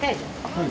はい。